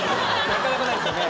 なかなかないですよね